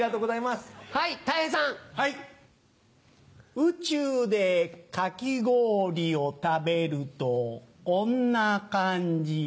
宇宙でかき氷を食べるとこんな感じ。